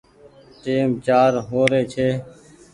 ٽيم چآر هو ري ڇي